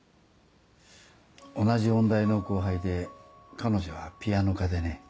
同じ音大の後輩で彼女はピアノ科でね。